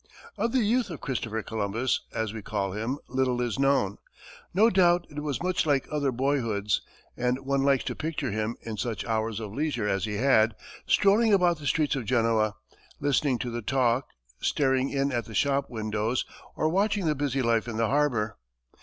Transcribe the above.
Of the youth of Christopher Columbus, as we call him, little is known. No doubt it was much like other boyhoods, and one likes to picture him, in such hours of leisure as he had, strolling about the streets of Genoa, listening to the talk, staring in at the shop windows, or watching the busy life in the harbor.